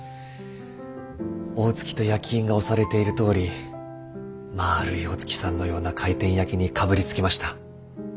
「大月」と焼き印が押されているとおりまあるいお月さんのような回転焼きにかぶりつきました。